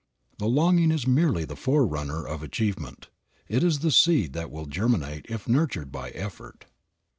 The longing is merely the forerunner of achievement. It is the seed that will germinate if nurtured by effort.